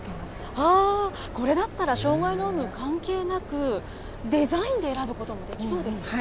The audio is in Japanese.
これだったら障害の有無関係なく、デザインで選ぶこともできそうですね。